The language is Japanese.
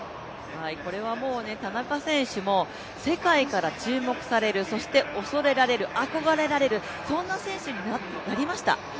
これはもう田中選手も、世界から恐れられる、憧れられる、そんな選手になりました。